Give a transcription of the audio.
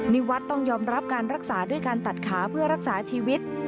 นิวัฒน์ต้องยอมรับการรักษาด้วยการตัดขาเพื่อรักษาชีวิต